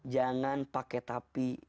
jangan pakai tapi